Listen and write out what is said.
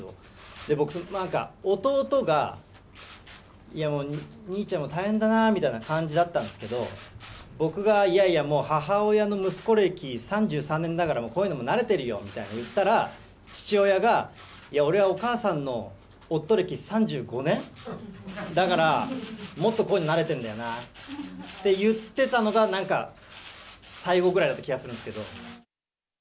で、なんか弟が、いやもう、兄ちゃんも大変だなーみたいな感じだったんですけど、僕がいやいやもう、母親の息子歴３３年だから、こういうのも慣れてるよみたいに言ったら、父親がいや、俺はお母さんの夫歴３５年だから、もっとこういうの慣れてんだよなって言ってたのが、なんか、最後ぐらいだった気がするんですけど。